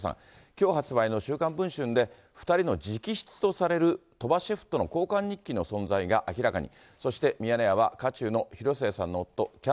きょう発売の週刊文春で、２人の直筆とされる鳥羽シェフとの交換日記の存在が明らかに。